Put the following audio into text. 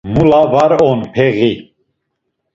Mula var on, peği.